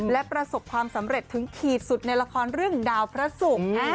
และประสบความสำเร็จถึงขีดสุดในละครเรื่องดาวพระศุกร์